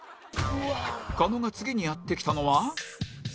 狩野が次にやって来たのは？